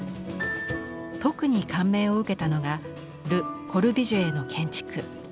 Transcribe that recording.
特に感銘を受けたのがル・コルビュジエの建築。